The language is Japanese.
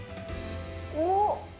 おっ！